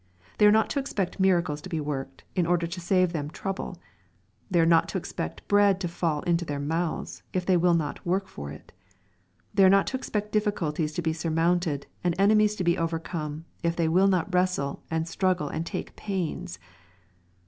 They are not to expect miracles to be worked, in order to save them trouble. They are not to expect bread to fall into their mouths, if they will not work for it. They are not to expect difficulties to be surmounted, and ene mies to be overcome, if they will not wrestle, and struggle and take pains.